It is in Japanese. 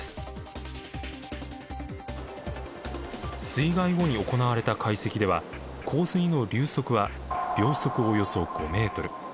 水害後に行われた解析では洪水の流速は秒速およそ５ｍ。